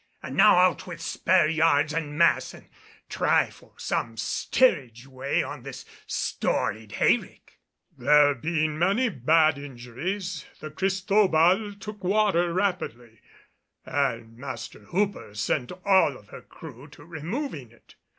And now out with spare yards and masts and try for some steerage way on this storied hayrick." There being many bad injuries, the Cristobal took water rapidly and Master Hooper sent all of her crew to removing it.